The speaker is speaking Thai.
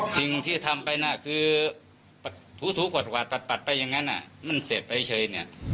สิ่งที่ทำไปนะคือถูกวาดปัดไปอย่างนั้นมันเสร็จไปเฉยเนี่ย